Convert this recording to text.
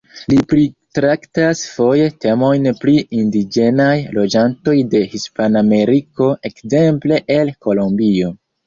Li pritraktas foje temojn pri indiĝenaj loĝantoj de Hispanameriko, ekzemple el Kolombio.